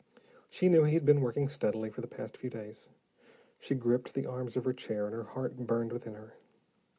She knew he had been working steadily for the past few days. She gripped the arms of her chair, and her heart burned within her.